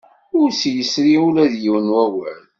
Ur s-yerri ula d yiwen n wawal.